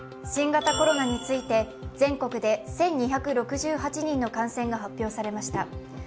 新型コロナについて、全国で１２６８人の感染が発表されました。